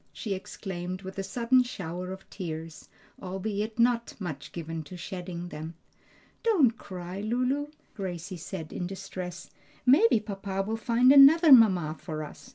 she exclaimed with a sudden shower of tears, albeit not much given to shedding them. "Don't cry, Lulu," Gracie said in distress, "maybe papa will find another mamma for us.